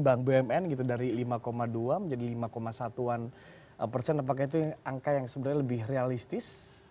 bank bumn gitu dari lima dua menjadi lima satuan persen apakah itu angka yang sebenarnya lebih realistis